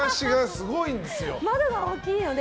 窓が大きいので。